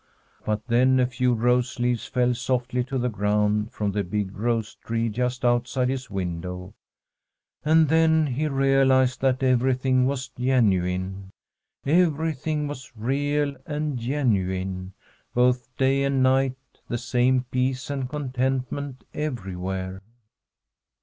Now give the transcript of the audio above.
But then a few rose leaves fell softly to the ground from the big rose tree just outside his window, and then he realized that everything was genuine. Everything was real and genuine ; both day and night the same peace and contentment everywhere.